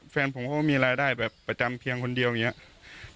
แฟนผมก็มีรายได้แบบประจำเพียงคนเดียวอย่างนี้